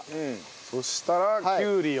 そしたらきゅうりを。